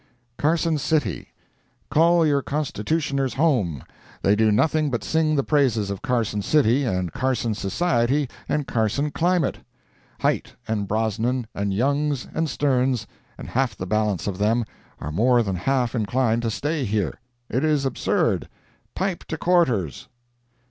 CARSON CITY Call your Constitutioners home. They do nothing but sing the praises of Carson City, and Carson society, and Carson climate. Hite, and Brosnan, and Youngs, and Sterns, and half the balance of them, are more than half inclined to stay here. It is absurd. Pipe to quarters!